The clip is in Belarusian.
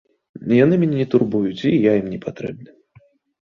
Яны мяне не турбуюць, я ім не патрэбны.